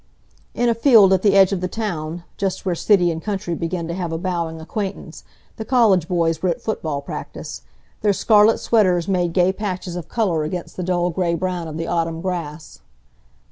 In a field at the edge of the town, just where city and country begin to have a bowing acquaintance, the college boys were at football practice. Their scarlet sweaters made gay patches of color against the dull gray brown of the autumn grass.